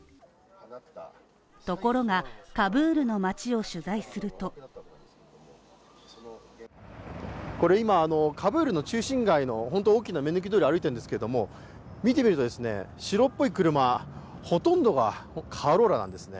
ところがカブールの街を取材すると今カブールの中心街の本当大きな目抜き通りを歩いてんですけども、見てみるとですね、白っぽい車ほとんどがカローラなんですね。